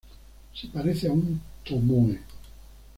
Se parece a un tomoe.